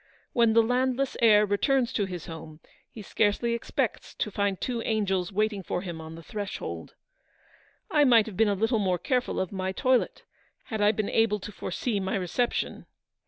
"When the landless heir returns to his home, he scarcely expects to find two angels wait ing for him on the threshold. I might have been a little more careful of my toilet, had I been able to foresee my reception.